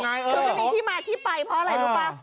จะมีที่มาที่ไปเพราะอะไร